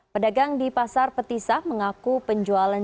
pedagang di pasar petisah mengaku penjualan